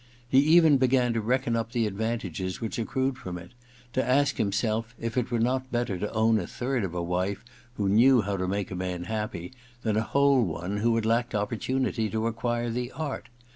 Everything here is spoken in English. He even began to reckon up the advantages which accrued from it, to ask himself if it were not better to own a third of a wife who knew how to make a man happy than a whole one who had lacked opportunity to acquire the art.